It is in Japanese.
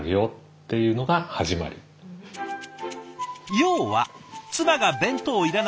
要は妻が弁当いらない